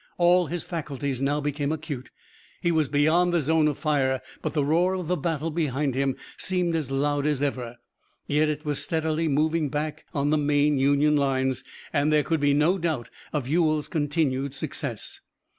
All his faculties now became acute. He was beyond the zone of fire, but the roar of the battle behind him seemed as loud as ever. Yet it was steadily moving back on the main Union lines, and there could be no doubt of Ewell's continued success.